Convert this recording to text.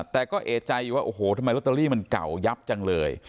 แต่ก็เอกใจอยู่ว่าโอ้โหทำไมลอตเตอรี่มันเก่ายับจังเลย